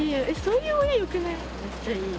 めっちゃいい。